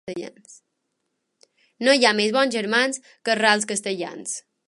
No hi ha més bons germans que els rals castellans.